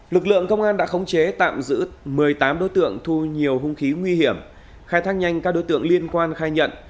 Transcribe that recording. lực lượng công an đã khống chế tạm giữ một mươi tám đối tượng thu nhiều hung khí nguy hiểm khai thác nhanh các đối tượng liên quan khai nhận